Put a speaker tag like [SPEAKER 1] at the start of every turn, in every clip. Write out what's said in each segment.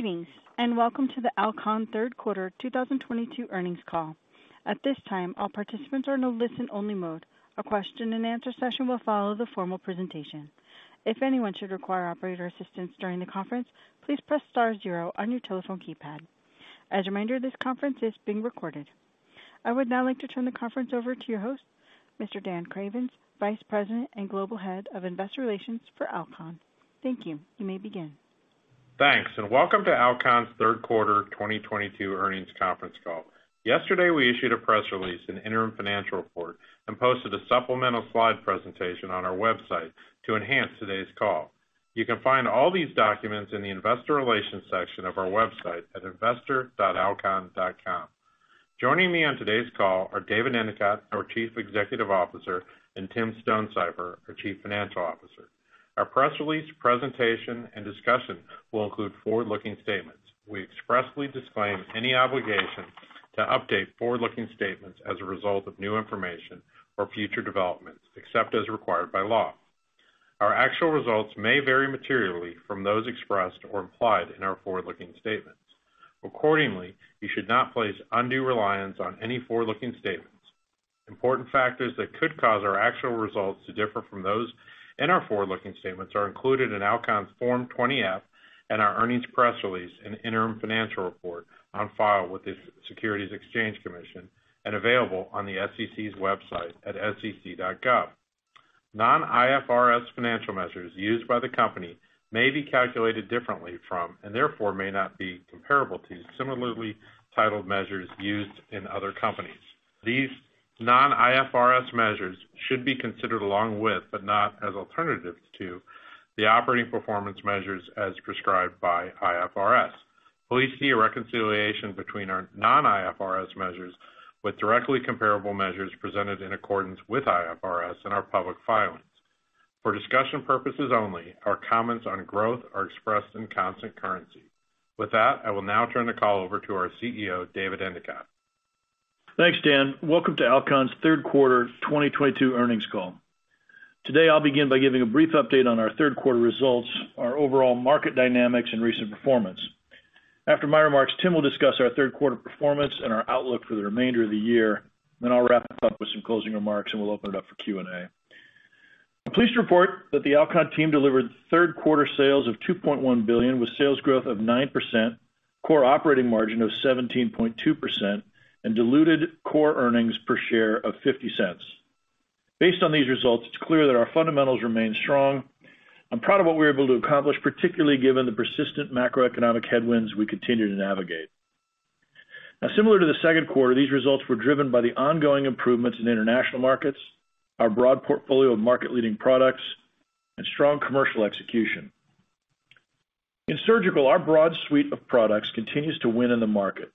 [SPEAKER 1] Greetings, and welcome to the Alcon Third Quarter 2022 earnings call. At this time, all participants are in a listen-only mode. A question-and-answer session will follow the formal presentation. If anyone should require operator assistance during the conference, please press star zero on your telephone keypad. As a reminder, this conference is being recorded. I would now like to turn the conference over to your host, Mr. Dan Cravens, Vice President and Global Head of Investor Relations for Alcon. Thank you. You may begin.
[SPEAKER 2] Thanks, and welcome to Alcon's third quarter 2022 earnings conference call. Yesterday, we issued a press release, an interim financial report, and posted a supplemental slide presentation on our website to enhance today's call. You can find all these documents in the investor relations section of our website at investor.alcon.com. Joining me on today's call are David Endicott, our Chief Executive Officer, and Tim Stonesifer, our Chief Financial Officer. Our press release presentation and discussion will include forward-looking statements. We expressly disclaim any obligation to update forward-looking statements as a result of new information or future developments, except as required by law. Our actual results may vary materially from those expressed or implied in our forward-looking statements. Accordingly, you should not place undue reliance on any forward-looking statements. Important factors that could cause our actual results to differ from those in our forward-looking statements are included in Alcon's Form 20-F and our earnings press release and interim financial report on file with the Securities and Exchange Commission and available on the SEC's website at sec.gov. Non-IFRS financial measures used by the company may be calculated differently from, and therefore may not be comparable to, similarly titled measures used in other companies. These non-IFRS measures should be considered along with, but not as alternatives to, the operating performance measures as prescribed by IFRS. Please see a reconciliation between our non-IFRS measures with directly comparable measures presented in accordance with IFRS in our public filings. For discussion purposes only, our comments on growth are expressed in constant currency. With that, I will now turn the call over to our CEO, David Endicott.
[SPEAKER 3] Thanks, Dan. Welcome to Alcon's third quarter 2022 earnings call. Today, I'll begin by giving a brief update on our third quarter results, our overall market dynamics and recent performance. After my remarks, Tim will discuss our third quarter performance and our outlook for the remainder of the year. Then I'll wrap up with some closing remarks, and we'll open it up for Q&A. I'm pleased to report that the Alcon team delivered third quarter sales of $2.1 billion, with sales growth of 9%, core operating margin of 17.2%, and diluted core earnings per share of $0.50. Based on these results, it's clear that our fundamentals remain strong. I'm proud of what we were able to accomplish, particularly given the persistent macroeconomic headwinds we continue to navigate. Now, similar to the second quarter, these results were driven by the ongoing improvements in international markets, our broad portfolio of market-leading products, and strong commercial execution. In surgical, our broad suite of products continues to win in the market.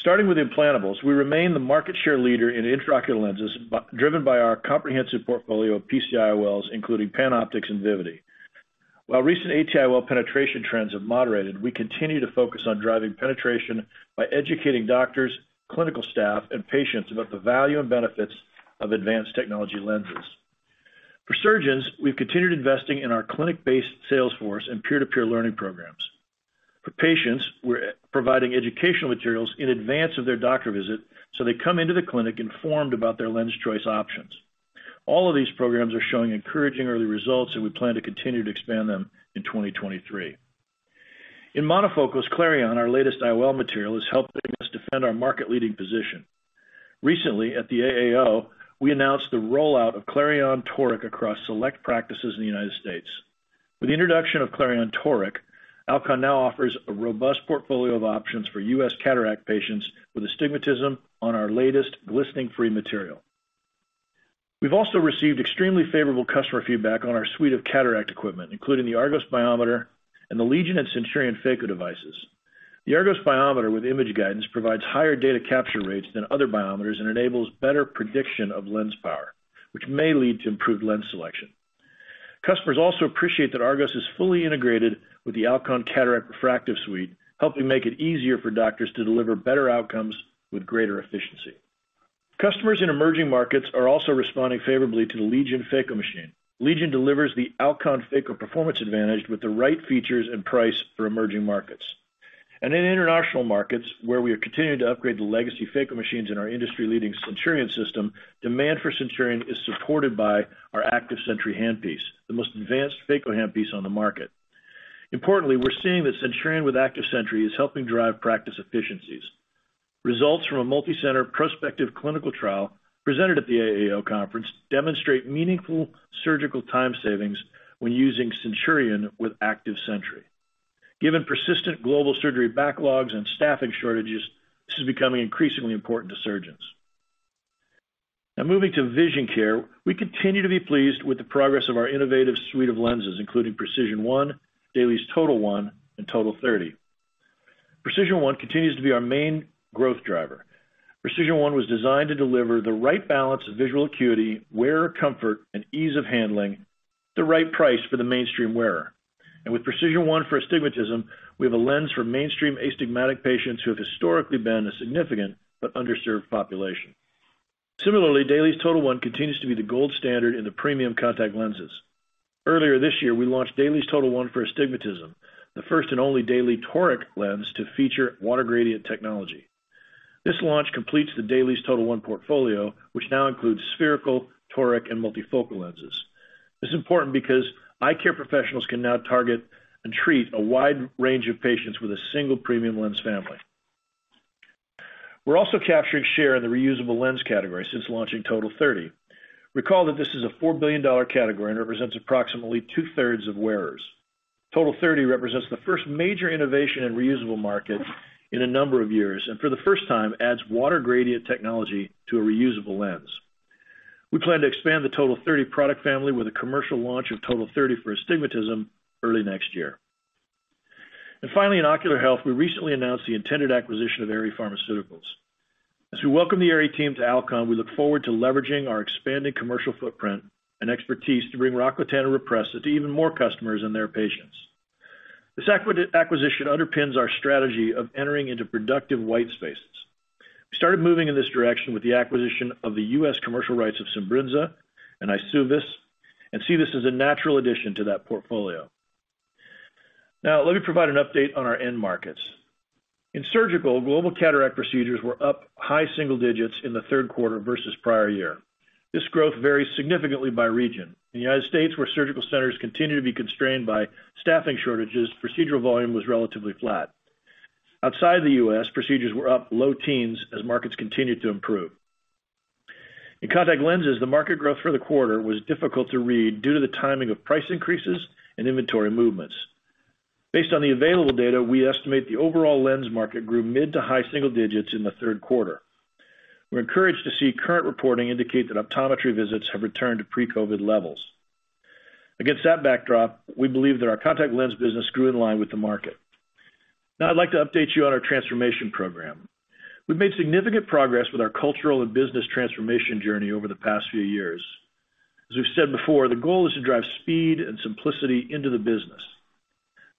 [SPEAKER 3] Starting with implantables, we remain the market share leader in intraocular lenses, driven by our comprehensive portfolio of PCIOLs, including PanOptix and Vivity. While recent ATIOL penetration trends have moderated, we continue to focus on driving penetration by educating doctors, clinical staff, and patients about the value and benefits of advanced technology lenses. For surgeons, we've continued investing in our clinic-based sales force and peer-to-peer learning programs. For patients, we're providing educational materials in advance of their doctor visit, so they come into the clinic informed about their lens choice options. All of these programs are showing encouraging early results, and we plan to continue to expand them in 2023. In monofocals, Clareon, our latest IOL material, is helping us defend our market-leading position. Recently, at the AAO, we announced the rollout of Clareon Toric across select practices in the United States. With the introduction of Clareon Toric, Alcon now offers a robust portfolio of options for U.S. cataract patients with astigmatism on our latest glistening-free material. We've also received extremely favorable customer feedback on our suite of cataract equipment, including the ARGOS Biometer and the LEGION and CENTURION phaco devices. The ARGOS Biometer with image guidance provides higher data capture rates than other biometers and enables better prediction of lens power, which may lead to improved lens selection. Customers also appreciate that ARGOS is fully integrated with the Alcon cataract refractive suite, helping make it easier for doctors to deliver better outcomes with greater efficiency. Customers in emerging markets are also responding favorably to the LEGION phaco machine. LEGION delivers the Alcon phaco performance advantage with the right features and price for emerging markets. In international markets, where we have continued to upgrade the legacy phaco machines in our industry-leading CENTURION system, demand for CENTURION is supported by our ACTIVE SENTRY handpiece, the most advanced phaco handpiece on the market. Importantly, we're seeing that CENTURION with ACTIVE SENTRY is helping drive practice efficiencies. Results from a multicenter prospective clinical trial presented at the AAO conference demonstrate meaningful surgical time savings when using CENTURION with ACTIVE SENTRY. Given persistent global surgery backlogs and staffing shortages, this is becoming increasingly important to surgeons. Now moving to vision care. We continue to be pleased with the progress of our innovative suite of lenses, including PRECISION1, DAILIES TOTAL1, and TOTAL30. PRECISION1 continues to be our main growth driver. PRECISION1 was designed to deliver the right balance of visual acuity, wear comfort, and ease of handling at the right price for the mainstream wearer. With PRECISION1 for astigmatism, we have a lens for mainstream astigmatic patients who have historically been a significant but underserved population. Similarly, DAILIES TOTAL1 continues to be the gold standard in the premium contact lenses. Earlier this year, we launched DAILIES TOTAL1 for astigmatism, the first and only daily toric lens to feature water gradient technology. This launch completes the DAILIES TOTAL1 portfolio, which now includes spherical, toric, and multifocal lenses. This is important because eye care professionals can now target and treat a wide range of patients with a single premium lens family. We're also capturing share in the reusable lens category since launching TOTAL30. Recall that this is a $4 billion category and represents approximately 2/3 of wearers. TOTAL30 represents the first major innovation in reusable markets in a number of years, and for the first time, adds water gradient technology to a reusable lens. We plan to expand the TOTAL30 product family with a commercial launch of TOTAL30 for Astigmatism early next year. Finally, in ocular health, we recently announced the intended acquisition of Aerie Pharmaceuticals. As we welcome the Aerie team to Alcon, we look forward to leveraging our expanding commercial footprint and expertise to bring ROCKLATAN and RHOPRESSA to even more customers and their patients. This acquisition underpins our strategy of entering into productive white spaces. We started moving in this direction with the acquisition of the U.S. commercial rights of SIMBRINZA and EYSUVIS, and see this as a natural addition to that portfolio. Now, let me provide an update on our end markets. In surgical, global cataract procedures were up high single digits in the third quarter versus prior year. This growth varies significantly by region. In the United States, where surgical centers continue to be constrained by staffing shortages, procedural volume was relatively flat. Outside the U.S., procedures were up low teens as markets continued to improve. In contact lenses, the market growth for the quarter was difficult to read due to the timing of price increases and inventory movements. Based on the available data, we estimate the overall lens market grew mid- to high single digits in the third quarter. We're encouraged to see current reporting indicate that optometry visits have returned to pre-COVID levels. Against that backdrop, we believe that our contact lens business grew in line with the market. Now I'd like to update you on our transformation program. We've made significant progress with our cultural and business transformation journey over the past few years. As we've said before, the goal is to drive speed and simplicity into the business.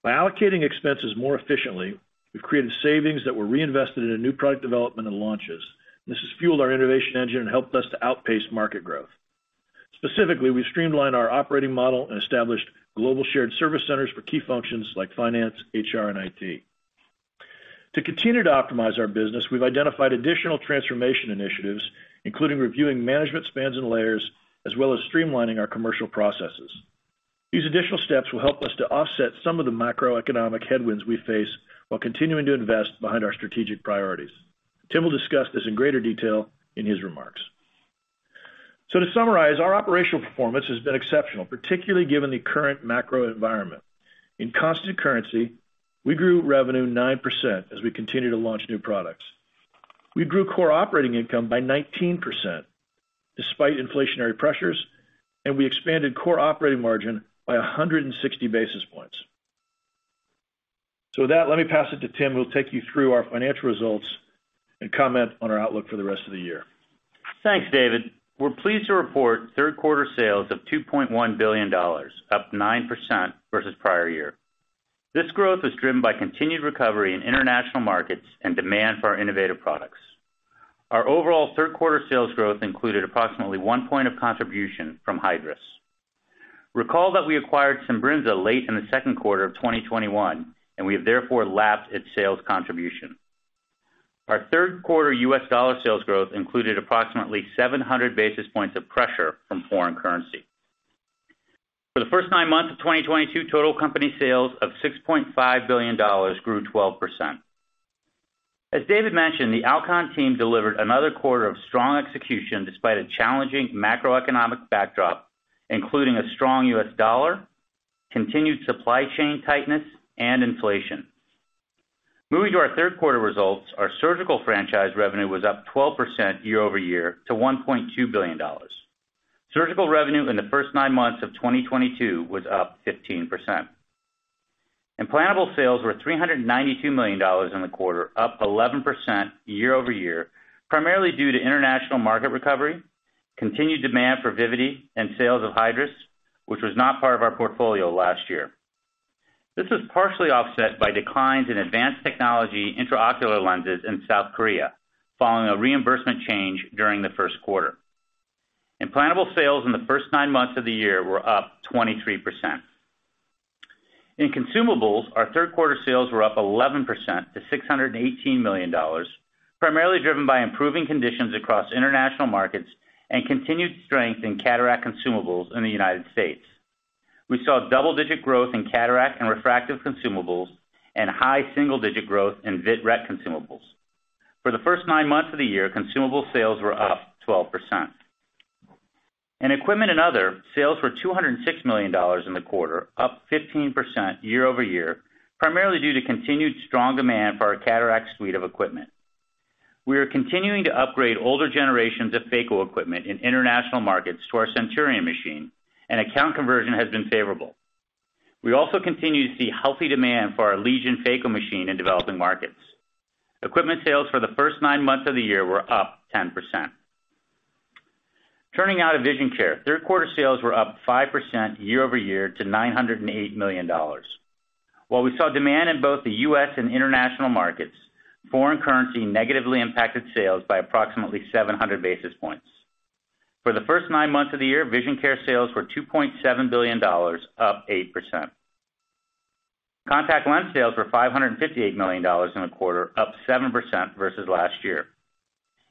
[SPEAKER 3] By allocating expenses more efficiently, we've created savings that were reinvested in new product development and launches. This has fueled our innovation engine and helped us to outpace market growth. Specifically, we streamlined our operating model and established global shared service centers for key functions like finance, HR, and IT. To continue to optimize our business, we've identified additional transformation initiatives, including reviewing management spans and layers, as well as streamlining our commercial processes. These additional steps will help us to offset some of the macroeconomic headwinds we face while continuing to invest behind our strategic priorities. Tim will discuss this in greater detail in his remarks. To summarize, our operational performance has been exceptional, particularly given the current macro environment. In constant currency, we grew revenue 9% as we continue to launch new products. We grew core operating income by 19% despite inflationary pressures, and we expanded core operating margin by 160 basis points. With that, let me pass it to Tim, who will take you through our financial results and comment on our outlook for the rest of the year.
[SPEAKER 4] Thanks, David. We're pleased to report third quarter sales of $2.1 billion, up 9% versus prior year. This growth was driven by continued recovery in international markets and demand for our innovative products. Our overall third quarter sales growth included approximately one point of contribution from Hydrus. Recall that we acquired SIMBRINZA late in the second quarter of 2021, and we have therefore lapsed its sales contribution. Our third quarter U.S. dollar sales growth included approximately 700 basis points of pressure from foreign currency. For the first nine months of 2022, total company sales of $6.5 billion grew 12%. As David mentioned, the Alcon team delivered another quarter of strong execution despite a challenging macroeconomic backdrop, including a strong U.S. dollar, continued supply chain tightness, and inflation. Moving to our third quarter results, our surgical franchise revenue was up 12% year-over-year to $1.2 billion. Surgical revenue in the first nine months of 2022 was up 15%. Implantable sales were $392 million in the quarter, up 11% year-over-year, primarily due to international market recovery, continued demand for Vivity, and sales of Hydrus, which was not part of our portfolio last year. This was partially offset by declines in advanced technology intraocular lenses in South Korea, following a reimbursement change during the first quarter. Implantable sales in the first nine months of the year were up 23%. In consumables, our third quarter sales were up 11% to $618 million, primarily driven by improving conditions across international markets and continued strength in cataract consumables in the United States. We saw double-digit growth in cataract and refractive consumables and high single-digit growth in vitrectomy consumables. For the first nine months of the year, consumable sales were up 12%. In equipment and other, sales were $206 million in the quarter, up 15% year-over-year, primarily due to continued strong demand for our cataract suite of equipment. We are continuing to upgrade older generations of phaco equipment in international markets to our CENTURION machine, and account conversion has been favorable. We also continue to see healthy demand for our LEGION phaco machine in developing markets. Equipment sales for the first nine months of the year were up 10%. Turning now to Vision Care. Third quarter sales were up 5% year-over-year to $908 million. While we saw demand in both the U.S. and international markets, foreign currency negatively impacted sales by approximately 700 basis points. For the first nine months of the year, Vision Care sales were $2.7 billion, up 8%. Contact lens sales were $558 million in the quarter, up 7% versus last year.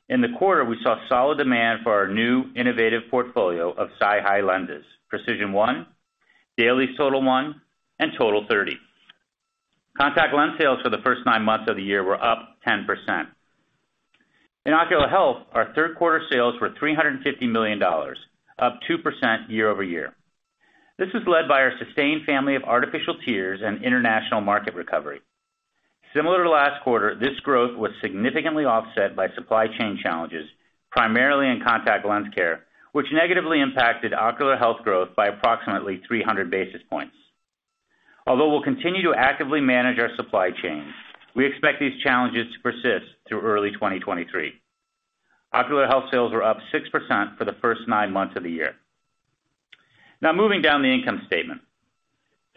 [SPEAKER 4] In the quarter, we saw solid demand for our new innovative portfolio of SiHy lenses, PRECISION1, DAILIES TOTAL1, and TOTAL30. Contact lens sales for the first nine months of the year were up 10%. In ocular health, our third quarter sales were $350 million, up 2% year-over-year. This was led by our Systane family of artificial tears and international market recovery. Similar to last quarter, this growth was significantly offset by supply chain challenges, primarily in contact lens care, which negatively impacted ocular health growth by approximately 300 basis points. Although we'll continue to actively manage our supply chain, we expect these challenges to persist through early 2023. Ocular health sales were up 6% for the first nine months of the year. Now moving down the income statement.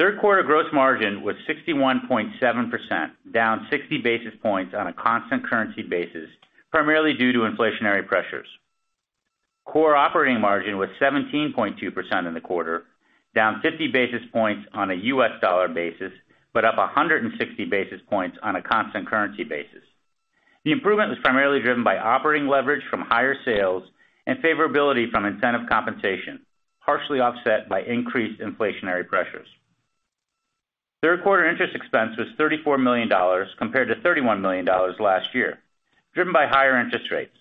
[SPEAKER 4] Third quarter gross margin was 61.7%, down 60 basis points on a constant currency basis, primarily due to inflationary pressures. Core operating margin was 17.2% in the quarter, down 50 basis points on a U.S. dollar basis, but up 160 basis points on a constant currency basis. The improvement was primarily driven by operating leverage from higher sales and favorability from incentive compensation, partially offset by increased inflationary pressures. Third quarter interest expense was $34 million compared to $31 million last year, driven by higher interest rates.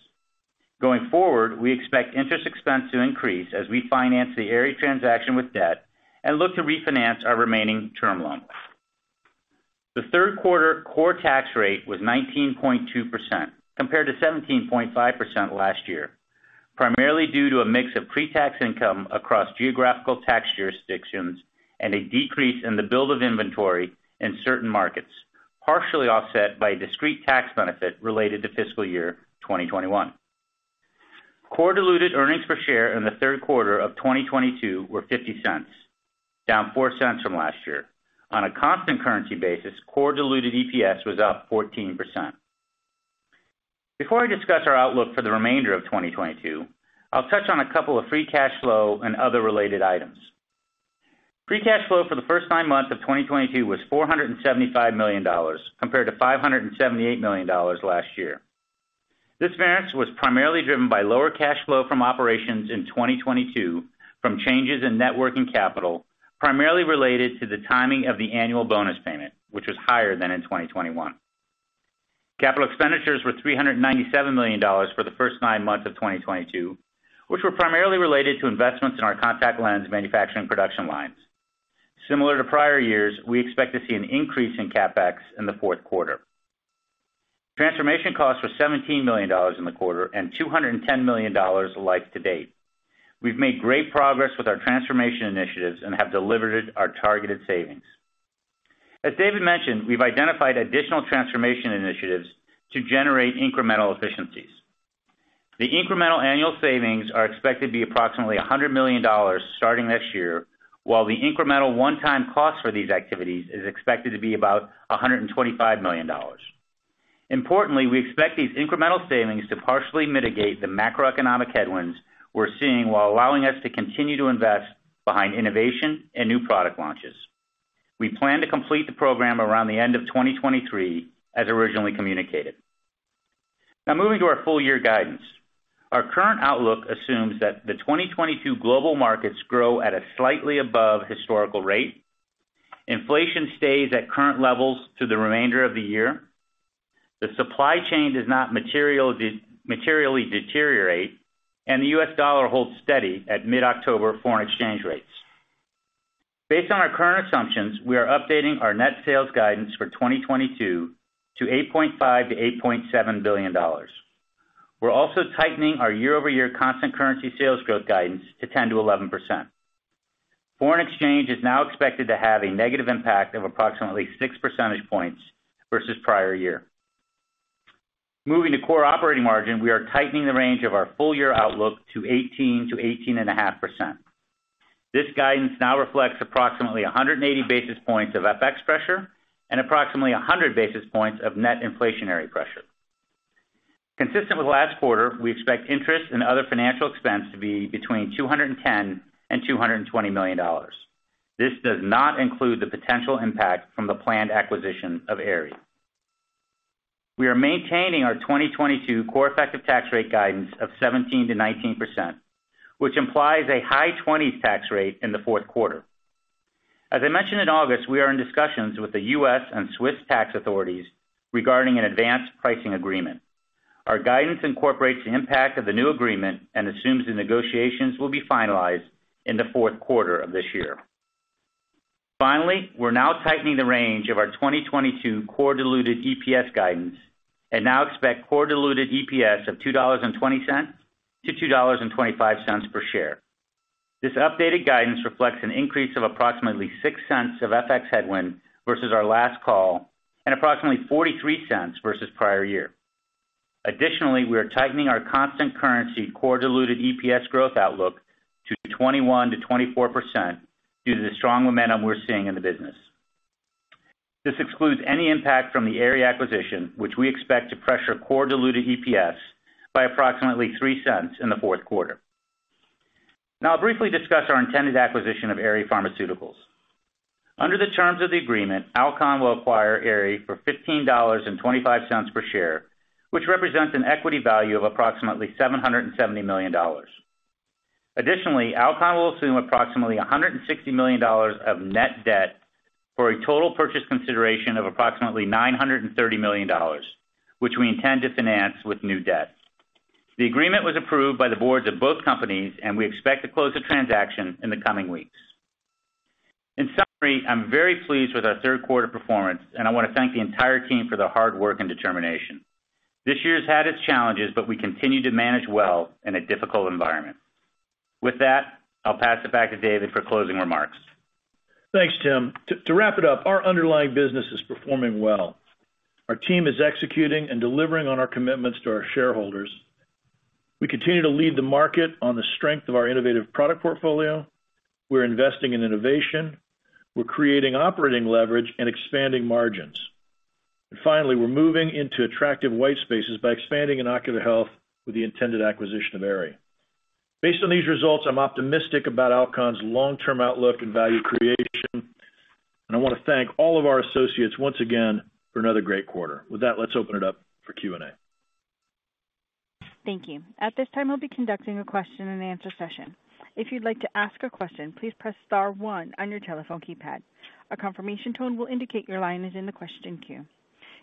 [SPEAKER 4] Going forward, we expect interest expense to increase as we finance the Aerie transaction with debt and look to refinance our remaining term loans. The third quarter core tax rate was 19.2% compared to 17.5% last year, primarily due to a mix of pre-tax income across geographical tax jurisdictions and a decrease in the build of inventory in certain markets, partially offset by a discrete tax benefit related to fiscal year 2021. Core diluted earnings per share in the third quarter of 2022 were $0.50, down $0.04 from last year. On a constant currency basis, core diluted EPS was up 14%. Before I discuss our outlook for the remainder of 2022, I'll touch on a couple of free cash flow and other related items. Free cash flow for the first nine months of 2022 was $475 million compared to $578 million last year. This variance was primarily driven by lower cash flow from operations in 2022 from changes in net working capital, primarily related to the timing of the annual bonus payment, which was higher than in 2021. Capital expenditures were $397 million for the first nine months of 2022, which were primarily related to investments in our contact lens manufacturing production lines. Similar to prior years, we expect to see an increase in CapEx in the fourth quarter. Transformation costs were $17 million in the quarter, and $210 million life to date. We've made great progress with our transformation initiatives and have delivered our targeted savings. As David mentioned, we've identified additional transformation initiatives to generate incremental efficiencies. The incremental annual savings are expected to be approximately $100 million starting next year, while the incremental one-time cost for these activities is expected to be about $125 million. Importantly, we expect these incremental savings to partially mitigate the macroeconomic headwinds we're seeing while allowing us to continue to invest behind innovation and new product launches. We plan to complete the program around the end of 2023 as originally communicated. Now moving to our full year guidance. Our current outlook assumes that the 2022 global markets grow at a slightly above historical rate, inflation stays at current levels through the remainder of the year, the supply chain does not materially deteriorate, and the U.S. dollar holds steady at mid-October foreign exchange rates. Based on our current assumptions, we are updating our net sales guidance for 2022 to $8.5 billion-$8.7 billion. We're also tightening our year-over-year constant currency sales growth guidance to 10%-11%. Foreign exchange is now expected to have a negative impact of approximately 6 percentage points versus prior year. Moving to core operating margin, we are tightening the range of our full year outlook to 18%-18.5%. This guidance now reflects approximately 180 basis points of FX pressure and approximately 100 basis points of net inflationary pressure. Consistent with last quarter, we expect interest and other financial expense to be between $210 million and $220 million. This does not include the potential impact from the planned acquisition of Aerie. We are maintaining our 2022 core effective tax rate guidance of 17%-19%, which implies a high 20s tax rate in the fourth quarter. As I mentioned in August, we are in discussions with the U.S. and Swiss tax authorities regarding an advanced pricing agreement. Our guidance incorporates the impact of the new agreement and assumes the negotiations will be finalized in the fourth quarter of this year. Finally, we're now tightening the range of our 2022 core diluted EPS guidance and now expect core diluted EPS of $2.20-$2.25 per share. This updated guidance reflects an increase of approximately $0.06 of FX headwind versus our last call and approximately $0.43 versus prior year. Additionally, we are tightening our constant currency core diluted EPS growth outlook to 21%-24% due to the strong momentum we're seeing in the business. This excludes any impact from the Aerie acquisition, which we expect to pressure core diluted EPS by approximately $0.03 in the fourth quarter. Now I'll briefly discuss our intended acquisition of Aerie Pharmaceuticals. Under the terms of the agreement, Alcon will acquire Aerie for $15.25 per share, which represents an equity value of approximately $770 million. Additionally, Alcon will assume approximately $160 million of net debt for a total purchase consideration of approximately $930 million, which we intend to finance with new debt. The agreement was approved by the boards of both companies, and we expect to close the transaction in the coming weeks. In summary, I'm very pleased with our third quarter performance, and I wanna thank the entire team for their hard work and determination. This year's had its challenges, but we continue to manage well in a difficult environment. With that, I'll pass it back to David for closing remarks.
[SPEAKER 3] Thanks, Tim. To wrap it up, our underlying business is performing well. Our team is executing and delivering on our commitments to our shareholders. We continue to lead the market on the strength of our innovative product portfolio. We're investing in innovation. We're creating operating leverage and expanding margins. Finally, we're moving into attractive white spaces by expanding in ocular health with the intended acquisition of Aerie. Based on these results, I'm optimistic about Alcon's long-term outlook and value creation, and I wanna thank all of our associates once again for another great quarter. With that, let's open it up for Q&A.
[SPEAKER 1] Thank you. At this time, we'll be conducting a question and answer session. If you'd like to ask a question, please press star one on your telephone keypad. A confirmation tone will indicate your line is in the question queue.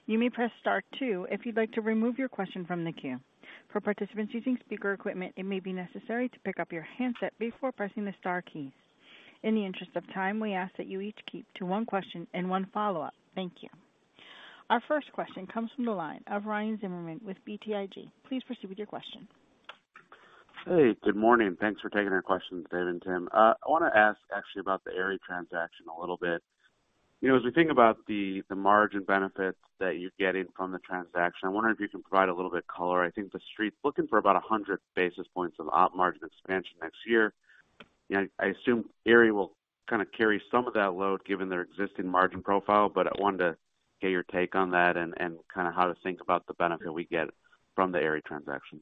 [SPEAKER 1] You may press star two if you'd like to remove your question from the queue. For participants using speaker equipment, it may be necessary to pick up your handset before pressing the star keys. In the interest of time, we ask that you each keep to one question and one follow-up. Thank you. Our first question comes from the line of Ryan Zimmerman with BTIG. Please proceed with your question.
[SPEAKER 5] Hey, good morning. Thanks for taking our questions, David and Tim. I wanna ask actually about the Aerie transaction a little bit. You know, as we think about the margin benefits that you're getting from the transaction, I wonder if you can provide a little bit color. I think the Street's looking for about 100 basis points of op margin expansion next year. You know, I assume Aerie will kinda carry some of that load given their existing margin profile, but I wanted to get your take on that and kinda how to think about the benefit we get from the Aerie transaction.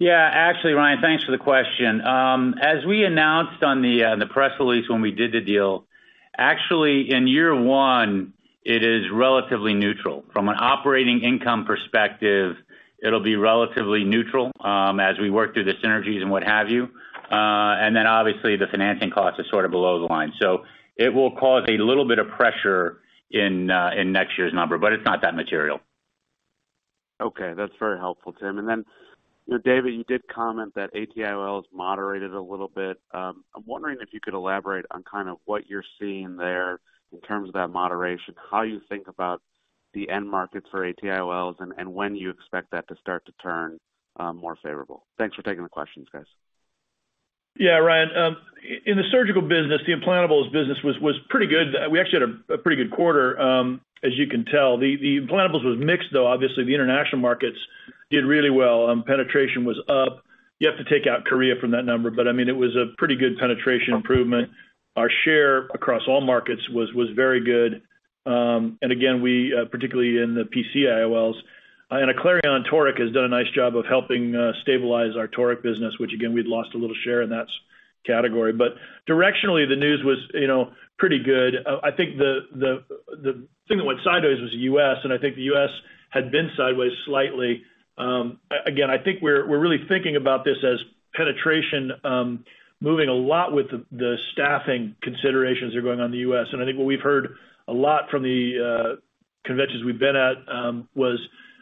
[SPEAKER 4] Yeah, actually, Ryan, thanks for the question. As we announced on the press release when we did the deal, actually, in year one, it is relatively neutral. From an operating income perspective, it'll be relatively neutral, as we work through the synergies and what have you. Then obviously the financing cost is sort of below the line. It will cause a little bit of pressure in next year's number, but it's not that material.
[SPEAKER 5] Okay, that's very helpful, Tim. Then you know, David, you did comment that ATIOLs moderated a little bit. I'm wondering if you could elaborate on kind of what you're seeing there in terms of that moderation, how you think about the end markets for ATIOLs, and when you expect that to start to turn more favorable? Thanks for taking the questions, guys.
[SPEAKER 3] Yeah, Ryan, in the surgical business, the implantables business was pretty good. We actually had a pretty good quarter, as you can tell. The implantables was mixed, though, obviously. The international markets did really well. Penetration was up. You have to take out Korea from that number, but I mean, it was a pretty good penetration improvement. Our share across all markets was very good. Again, particularly in the PCIOLs. Clareon Toric has done a nice job of helping stabilize our Toric business, which again, we'd lost a little share in that category. Directionally, the news was, you know, pretty good. I think the thing that went sideways was the U.S., and I think the U.S. had been sideways slightly. Again, I think we're really thinking about this as penetration, moving a lot with the staffing considerations that are going on in the U.S. I think what we've heard a lot from the conventions we've been at was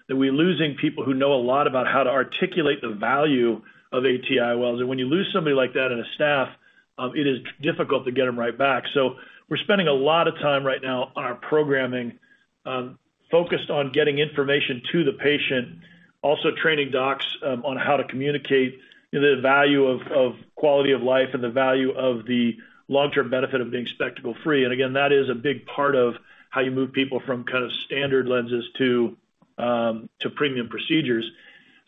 [SPEAKER 3] that we're losing people who know a lot about how to articulate the value of ATIOLs. When you lose somebody like that in a staff, it is difficult to get them right back. We're spending a lot of time right now on our programming, focused on getting information to the patient, also training docs, on how to communicate the value of quality of life and the value of the long-term benefit of being spectacle-free. That is a big part of how you move people from kind of standard lenses to premium procedures.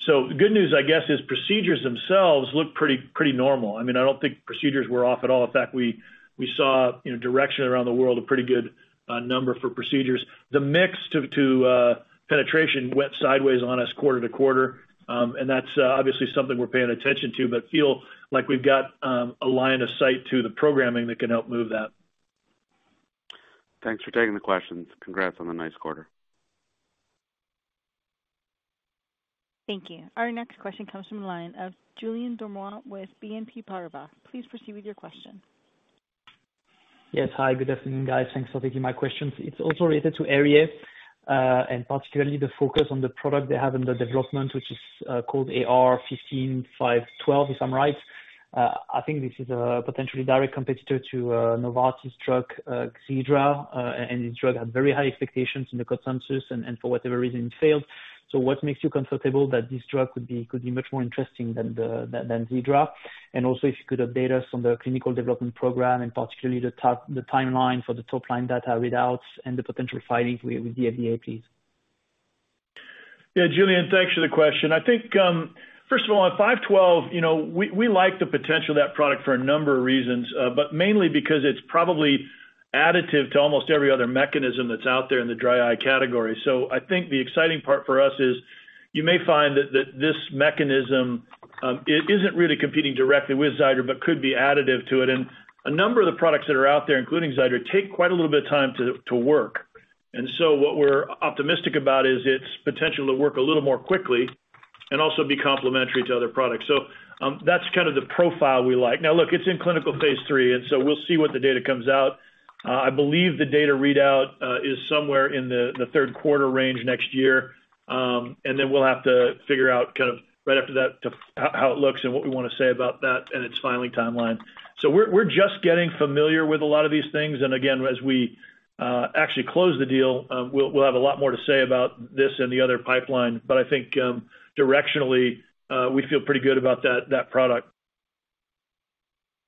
[SPEAKER 3] Good news, I guess, is procedures themselves look pretty normal. I mean, I don't think procedures were off at all. In fact, we saw, you know, direction around the world, a pretty good number for procedures. The mix to penetration went sideways on us quarter to quarter. That's obviously something we're paying attention to, but feel like we've got a line of sight to the programming that can help move that.
[SPEAKER 5] Thanks for taking the questions. Congrats on the nice quarter.
[SPEAKER 1] Thank you. Our next question comes from the line of Julien Ouaddour with BNP Paribas. Please proceed with your question.
[SPEAKER 6] Yes. Hi, good afternoon, guys. Thanks for taking my questions. It's also related to Aerie, and particularly the focus on the product they have in the development, which is called AR-15512, if I'm right. I think this is a potentially direct competitor to Novartis drug Xiidra, and this drug had very high expectations in the consensus and for whatever reason it failed. What makes you comfortable that this drug could be much more interesting than Xiidra? Also if you could update us on the clinical development program, and particularly the timeline for the top line data readouts and the potential filings with the FDA.
[SPEAKER 3] Yeah, Julien, thanks for the question. I think, first of all, on 512, we like the potential of that product for a number of reasons, but mainly because it's probably additive to almost every other mechanism that's out there in the dry eye category. I think the exciting part for us is you may find that this mechanism, it isn't really competing directly with Xiidra but could be additive to it. A number of the products that are out there, including Xiidra, take quite a little bit of time to work. What we're optimistic about is its potential to work a little more quickly and also be complementary to other products. That's kind of the profile we like. Now look, it's in clinical phase three, and so we'll see what the data comes out. I believe the data readout is somewhere in the third quarter range next year. Then we'll have to figure out kind of right after that to how it looks and what we wanna say about that and its filing timeline. We're just getting familiar with a lot of these things. Again, as we actually close the deal, we'll have a lot more to say about this and the other pipeline. I think, directionally, we feel pretty good about that product.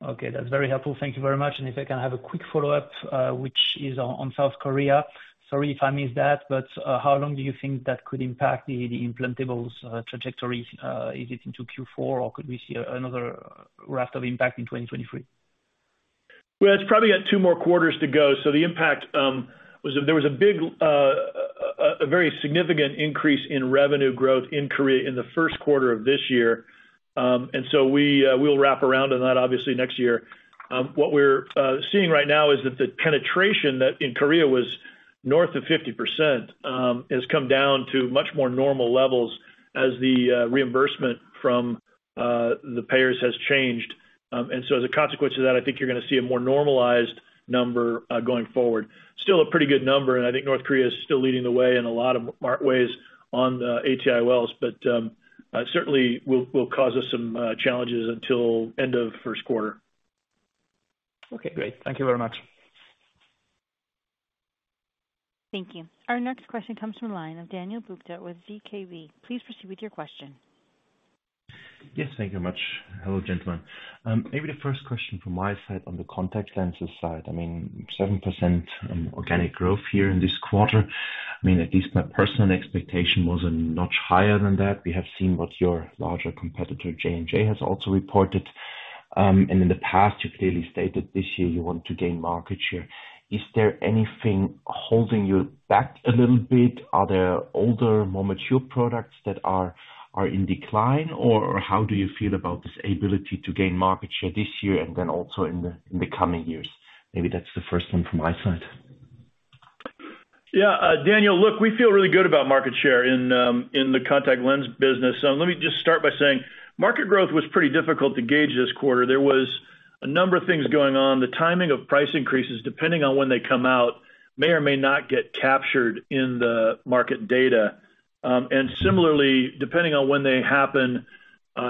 [SPEAKER 6] Okay. That's very helpful. Thank you very much. If I can have a quick follow-up, which is on South Korea. Sorry if I missed that, but how long do you think that could impact the implantables trajectory? Is it into Q4, or could we see another raft of impact in 2023?
[SPEAKER 3] Well, it's probably got two more quarters to go. The impact was a very significant increase in revenue growth in Korea in the first quarter of this year. We'll wrap around on that obviously next year. What we're seeing right now is that the penetration in Korea was north of 50%, has come down to much more normal levels as the reimbursement from the payers has changed. As a consequence of that, I think you're gonna see a more normalized number going forward. Still a pretty good number, and I think South Korea is still leading the way in a lot of smart ways on the ATIOLs. Certainly will cause us some challenges until end of first quarter.
[SPEAKER 6] Okay, great. Thank you very much.
[SPEAKER 1] Thank you. Our next question comes from the line of Daniel Buchta with ZKB. Please proceed with your question.
[SPEAKER 7] Yes, thank you much. Hello, gentlemen. Maybe the first question from my side on the contact lenses side. I mean, 7% organic growth here in this quarter. I mean, at least my personal expectation was a notch higher than that. We have seen what your larger competitor, J&J, has also reported. In the past, you clearly stated this year you want to gain market share. Is there anything holding you back a little bit? Are there older, more mature products that are in decline? Or how do you feel about this ability to gain market share this year and then also in the coming years? Maybe that's the first one from my side.
[SPEAKER 3] Yeah. Daniel, look, we feel really good about market share in the contact lens business. Let me just start by saying market growth was pretty difficult to gauge this quarter. There was a number of things going on. The timing of price increases, depending on when they come out, may or may not get captured in the market data. Similarly, depending on when they happen,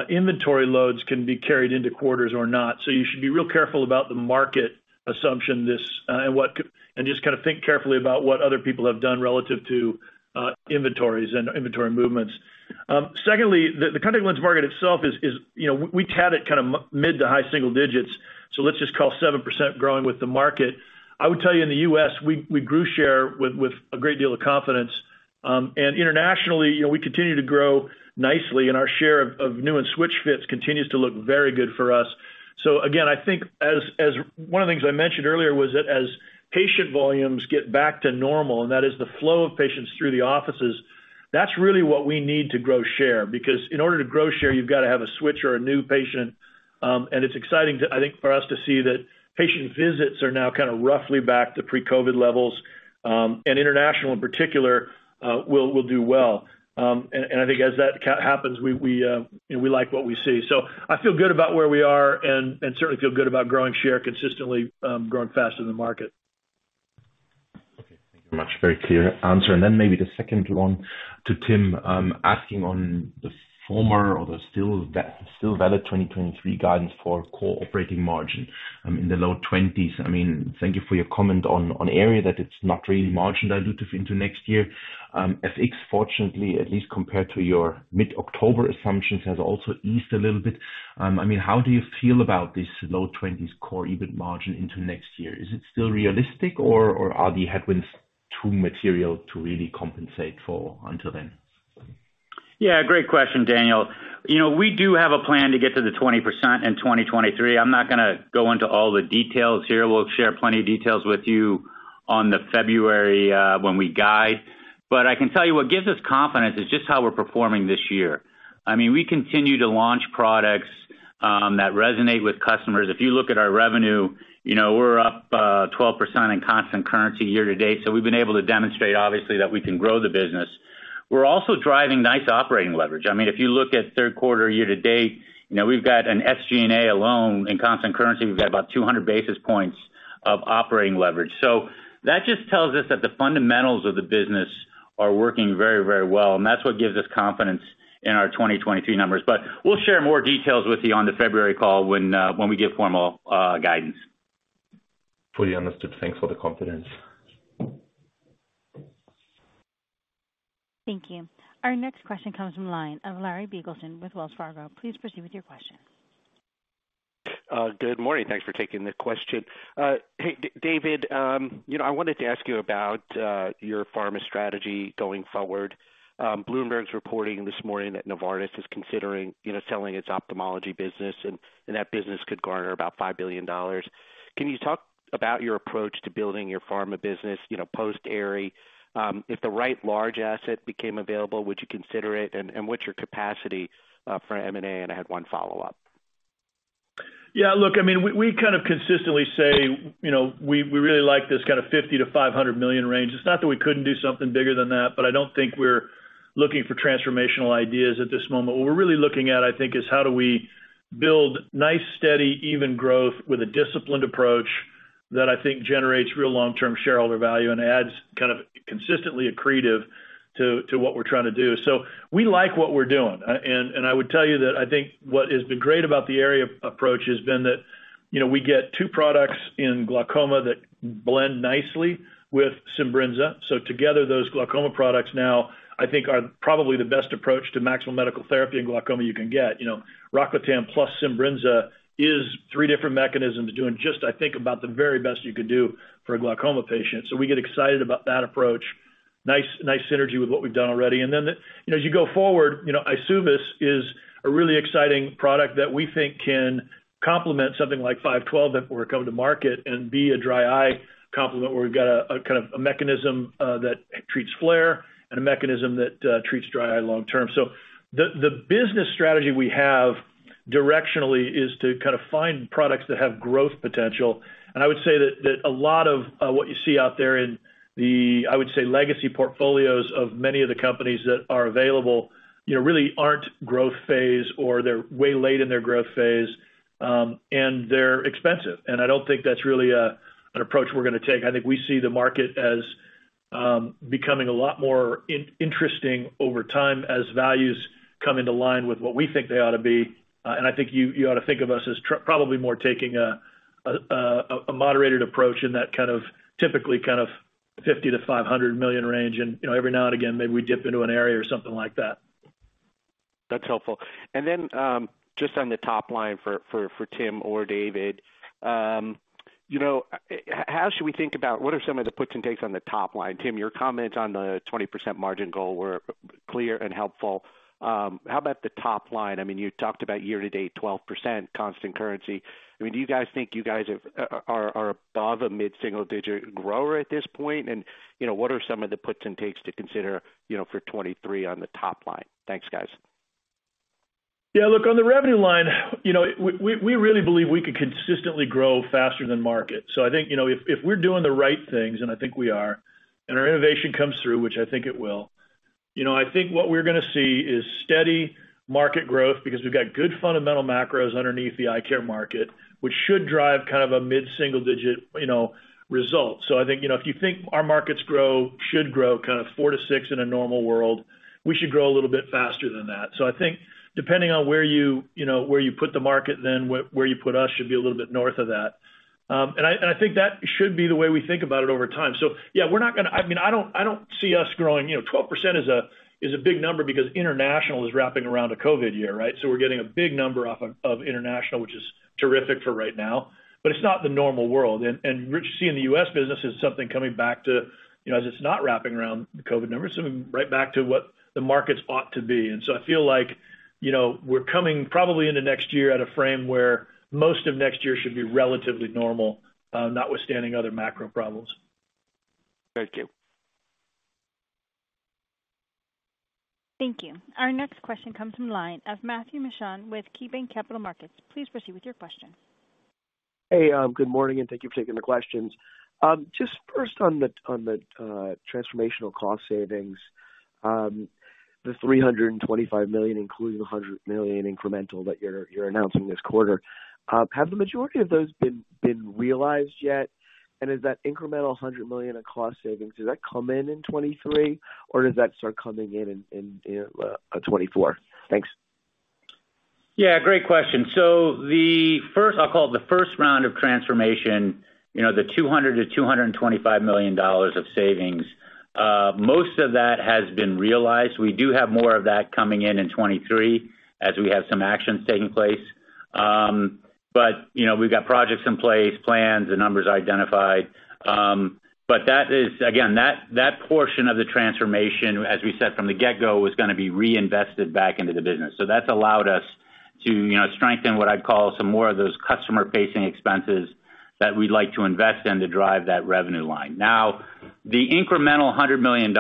[SPEAKER 3] inventory loads can be carried into quarters or not. You should be real careful about the market assumption this and just kinda think carefully about what other people have done relative to inventories and inventory movements. Secondly, the contact lens market itself is, you know, we put it kinda mid to high single digits, let's just call 7% growing with the market. I would tell you in the U.S., we grew share with a great deal of confidence. Internationally, you know, we continue to grow nicely, and our share of new and switch fits continues to look very good for us. Again, I think as one of the things I mentioned earlier was that as patient volumes get back to normal, and that is the flow of patients through the offices, that's really what we need to grow share. Because in order to grow share, you've gotta have a switch or a new patient. It's exciting to, I think, for us to see that patient visits are now kinda roughly back to pre-COVID levels. International in particular will do well. I think as that happens, you know, we like what we see. I feel good about where we are and certainly feel good about growing share consistently, growing faster than the market.
[SPEAKER 7] Okay. Thank you very much. Very clear answer. Maybe the second one to Tim, asking on the still valid 2023 guidance for core operating margin in the low 20s. I mean, thank you for your comment on Aerie that it's not really margin dilutive into next year. FX fortunately, at least compared to your mid-October assumptions, has also eased a little bit. I mean, how do you feel about this low 20s core EBIT margin into next year? Is it still realistic or are the headwinds too material to really compensate for until then?
[SPEAKER 4] Yeah, great question, Daniel. You know, we do have a plan to get to the 20% in 2023. I'm not gonna go into all the details here. We'll share plenty of details with you on the February when we guide. I can tell you what gives us confidence is just how we're performing this year. I mean, we continue to launch products that resonate with customers. If you look at our revenue, you know, we're up 12% in constant currency year to date. We've been able to demonstrate, obviously, that we can grow the business. We're also driving nice operating leverage. I mean, if you look at third quarter year to date, you know, we've got on SG&A alone in constant currency, we've got about 200 basis points of operating leverage. That just tells us that the fundamentals of the business are working very, very well, and that's what gives us confidence in our 2023 numbers. We'll share more details with you on the February call when we give formal guidance.
[SPEAKER 7] Fully understood. Thanks for the confidence.
[SPEAKER 1] Thank you. Our next question comes from the line of Larry Biegelsen with Wells Fargo. Please proceed with your question.
[SPEAKER 8] Good morning. Thanks for taking the question. Hey, David. You know, I wanted to ask you about your pharma strategy going forward. Bloomberg's reporting this morning that Novartis is considering, you know, selling its ophthalmology business, and that business could garner about $5 billion. Can you talk about your approach to building your pharma business, you know, post-Aerie? If the right large asset became available, would you consider it? And what's your capacity for M&A? I had one follow-up.
[SPEAKER 3] Yeah, look, I mean, we kind of consistently say, you know, we really like this kind of $50 million-$500 million range. It's not that we couldn't do something bigger than that, but I don't think we're looking for transformational ideas at this moment. What we're really looking at, I think, is how do we build nice, steady, even growth with a disciplined approach that I think generates real long-term shareholder value and adds kind of consistently accretive to what we're trying to do. We like what we're doing. I would tell you that I think what has been great about the Aerie approach has been that, you know, we get two products in glaucoma that blend nicely with SIMBRINZA. Together, those glaucoma products now, I think, are probably the best approach to maximum medical therapy in glaucoma you can get. You know, ROCKLATAN plus SIMBRINZA is three different mechanisms doing just, I think, about the very best you could do for a glaucoma patient. We get excited about that approach. Nice synergy with what we've done already. You know, as you go forward, you know, EYSUVIS is a really exciting product that we think can complement something like 512 if it were to come to market and be a dry eye complement, where we've got a kind of a mechanism that treats flare and a mechanism that treats dry eye long term. The business strategy we have directionally is to kind of find products that have growth potential. I would say that a lot of what you see out there in the legacy portfolios of many of the companies that are available, you know, really aren't growth phase or they're way late in their growth phase, and they're expensive. I don't think that's really an approach we're gonna take. I think we see the market as becoming a lot more interesting over time as values come into line with what we think they ought to be. I think you ought to think of us as probably more taking a moderated approach in that kind of typically $50 million-$500 million range. You know, every now and again, maybe we dip into an area or something like that.
[SPEAKER 8] That's helpful. Just on the top line for Tim or David, how should we think about what are some of the puts and takes on the top line? Tim, your comments on the 20% margin goal were clear and helpful. How about the top line? I mean, you talked about year-to-date 12% constant currency. I mean, do you guys think you guys are above a mid-single-digit grower at this point? You know, what are some of the puts and takes to consider for 2023 on the top line? Thanks, guys.
[SPEAKER 3] Yeah, look, on the revenue line, you know, we really believe we could consistently grow faster than market. I think, you know, if we're doing the right things, and I think we are, and our innovation comes through, which I think it will, you know, I think what we're gonna see is steady market growth because we've got good fundamental macros underneath the eye care market, which should drive kind of a mid-single-digit, you know, result. I think, you know, if you think our markets grow, should grow kind of 4%-6% in a normal world, we should grow a little bit faster than that. I think depending on where you know, where you put the market, then where you put us should be a little bit north of that. I think that should be the way we think about it over time. Yeah, I mean, I don't see us growing, you know, 12% is a big number because international is wrapping around a COVID year, right? We're getting a big number off of international, which is terrific for right now, but it's not the normal world. We're seeing the U.S. business as something coming back to, you know, as it's not wrapping around the COVID numbers, coming right back to what the markets ought to be. I feel like, you know, we're coming probably into next year at a frame where most of next year should be relatively normal, notwithstanding other macro problems.
[SPEAKER 8] Thank you.
[SPEAKER 1] Thank you. Our next question comes from the line of Matthew Mishan with KeyBanc Capital Markets. Please proceed with your question.
[SPEAKER 9] Hey, good morning, and thank you for taking the questions. Just first on the transformational cost savings, the $325 million, including $100 million incremental that you're announcing this quarter, have the majority of those been realized yet? Is that incremental $100 million in cost savings, does that come in in 2023, or does that start coming in 2024? Thanks.
[SPEAKER 4] Yeah, great question. The first I'll call it the first round of transformation, you know, the $200 million-$225 million dollars of savings, most of that has been realized. We do have more of that coming in in 2023 as we have some actions taking place. You know, we've got projects in place, plans and numbers identified. That is again that portion of the transformation, as we said from the get-go, was gonna be reinvested back into the business. That's allowed us to, you know, strengthen what I'd call some more of those customer-facing expenses that we'd like to invest in to drive that revenue line. Now, the incremental $100 million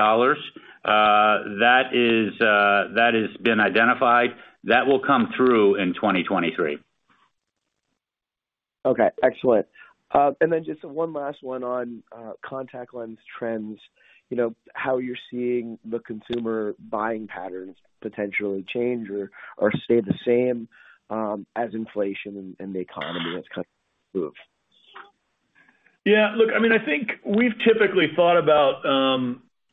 [SPEAKER 4] that has been identified that will come through in 2023.
[SPEAKER 8] Okay, excellent. Just one last one on contact lens trends. You know, how you're seeing the consumer buying patterns potentially change or stay the same, as inflation and the economy has kind of improved.
[SPEAKER 3] Yeah, look, I mean, I think we've typically thought about,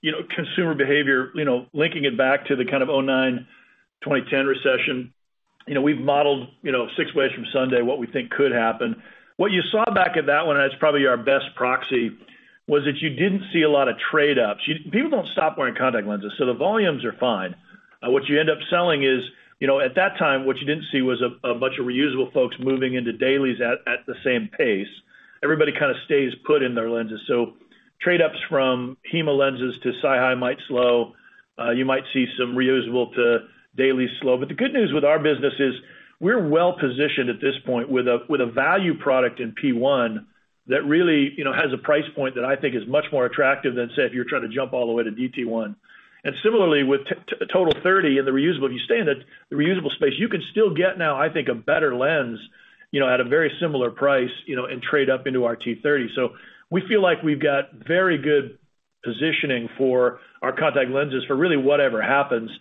[SPEAKER 3] you know, consumer behavior, you know, linking it back to the kind of 2009, 2010 recession. You know, we've modeled, you know, six ways from Sunday what we think could happen. What you saw back at that one, and it's probably our best proxy, was that you didn't see a lot of trade-ups. You people don't stop wearing contact lenses, so the volumes are fine. What you end up selling is, you know, at that time, what you didn't see was a bunch of reusable folks moving into dailies at the same pace. Everybody kind of stays put in their lenses. Trade-ups from HEMA lenses to SiHy might slow. You might see some reusable to daily slow. The good news with our business is we're well positioned at this point with a value product in PRECISION1 that really, you know, has a price point that I think is much more attractive than, say, if you're trying to jump all the way to DT1. Similarly, with TOTAL30 in the reusable, if you stay in the reusable space, you can still get now, I think, a better lens, you know, at a very similar price, you know, and trade up into our T30. We feel like we've got very good positioning for our contact lenses for really whatever happens.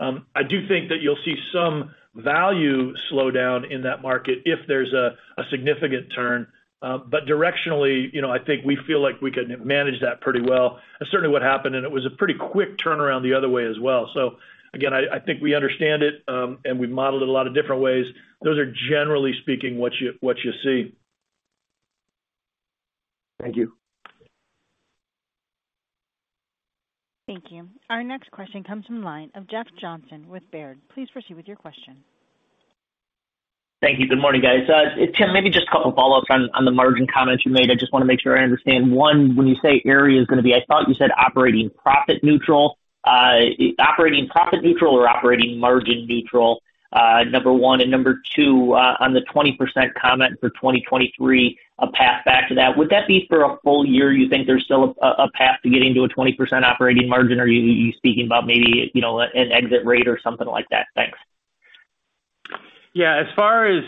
[SPEAKER 3] I do think that you'll see some value slow down in that market if there's a significant turn. Directionally, you know, I think we feel like we can manage that pretty well. That's certainly what happened, and it was a pretty quick turnaround the other way as well. Again, I think we understand it, and we've modeled it a lot of different ways. Those are generally speaking what you see.
[SPEAKER 9] Thank you.
[SPEAKER 1] Thank you. Our next question comes from the line of Jeff Johnson with Baird. Please proceed with your question.
[SPEAKER 10] Thank you. Good morning, guys. Tim, maybe just a couple follow-ups on the margin comments you made. I just wanna make sure I understand. One, when you say Aerie is gonna be, I thought you said operating profit neutral. Operating profit neutral or operating margin neutral, number one. Number two, on the 20% comment for 2023, a path back to that, would that be for a full year? You think there's still a path to getting to a 20% operating margin, or you speaking about maybe, you know, an exit rate or something like that? Thanks.
[SPEAKER 4] Yeah. As far as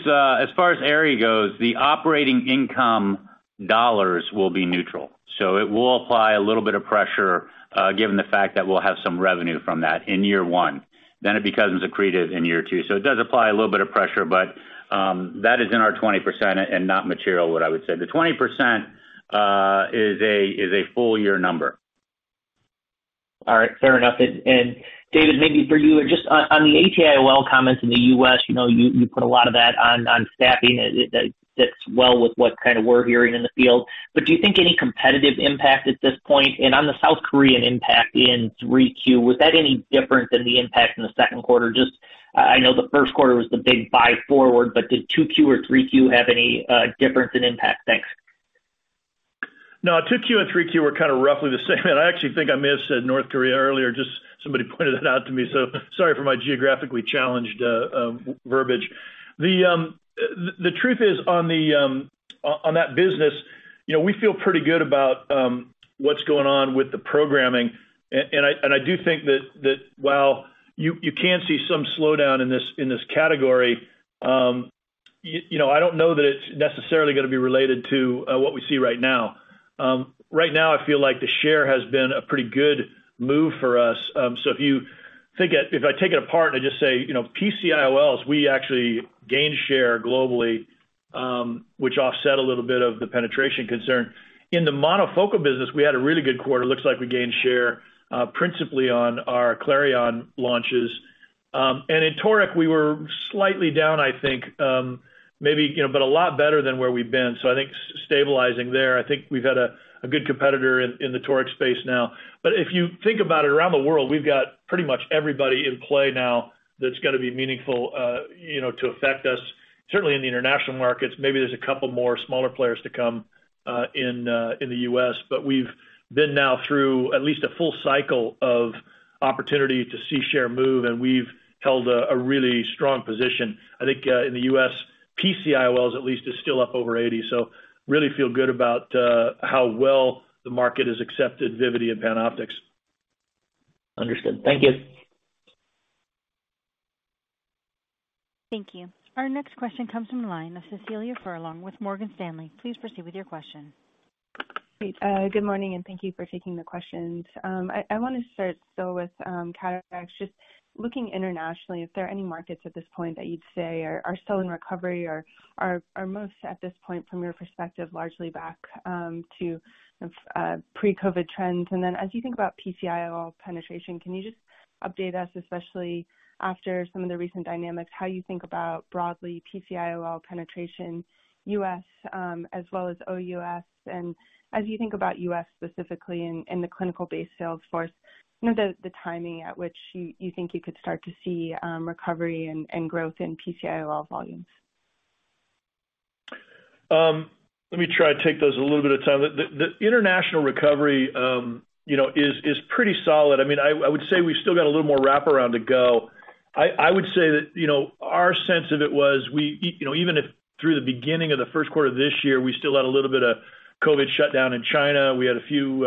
[SPEAKER 4] Aerie goes, the operating income dollars will be neutral. It will apply a little bit of pressure given the fact that we'll have some revenue from that in year one, then it becomes accretive in year two. It does apply a little bit of pressure, but that is in our 20% and not material, what I would say. The 20% is a full year number.
[SPEAKER 10] All right. Fair enough. David, maybe for you just on the ATIOL comments in the U.S., you know, you put a lot of that on staffing. That fits well with what kind of we're hearing in the field. Do you think any competitive impact at this point? On the South Korean impact in 3Q, was that any different than the impact in the second quarter? Just, I know the first quarter was the big buy forward, but did 2Q or 3Q have any difference in impact? Thanks.
[SPEAKER 3] No, 2Q and 3Q were kind of roughly the same. I actually think I may have said South Korea earlier, just somebody pointed it out to me, so sorry for my geographically challenged verbiage. The truth is on that business, you know, we feel pretty good about what's going on with the programming. I do think that while you can see some slowdown in this category, you know, I don't know that it's necessarily gonna be related to what we see right now. Right now I feel like the share has been a pretty good move for us. If I take it apart and I just say, you know, PCIOLs, we actually gained share globally, which offset a little bit of the penetration concern. In the monofocal business, we had a really good quarter. It looks like we gained share, principally on our Clareon launches. In Toric, we were slightly down, I think, maybe, you know, but a lot better than where we've been. I think stabilizing there. I think we've had a good competitor in the Toric space now. If you think about it, around the world, we've got pretty much everybody in play now that's gonna be meaningful, you know, to affect us, certainly in the international markets. Maybe there's a couple more smaller players to come, in the U.S., but we've been now through at least a full cycle of opportunity to see share move, and we've held a really strong position. I think, in the U.S., PCIOLs at least is still up over 80%. Really feel good about how well the market has accepted Vivity and PanOptix.
[SPEAKER 10] Understood. Thank you.
[SPEAKER 1] Thank you. Our next question comes from the line of Cecilia Furlong with Morgan Stanley. Please proceed with your question.
[SPEAKER 11] Great. Good morning, and thank you for taking the questions. I wanna start though with cataracts. Just looking internationally, is there any markets at this point that you'd say are still in recovery or are most at this point from your perspective, largely back to kind of pre-COVID trends? As you think about PCIOL penetration, can you just update us, especially after some of the recent dynamics, how you think about broadly PCIOL penetration US, as well as OUS? As you think about U.S. specifically in the clinical base sales force, you know, the timing at which you think you could start to see recovery and growth in PCIOL volumes.
[SPEAKER 3] Let me try to take those a little bit at a time. The international recovery, you know, is pretty solid. I mean, I would say we've still got a little more wraparound to go. I would say that, you know, our sense of it was you know, even if through the beginning of the first quarter of this year, we still had a little bit of COVID shutdown in China. We had a few